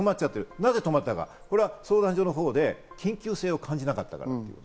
なぜ止まったか、相談所のほうで緊急性を感じなかったから。